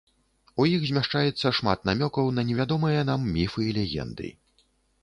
У іх змяшчаецца шмат намёкаў на невядомыя нам міфы і легенды.